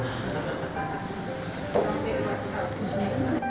masih enggak bisa